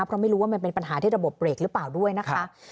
เพราะไม่รู้ว่ามันเป็นปัญหาที่ระบบเบรกหรือเปล่าด้วยนะคะ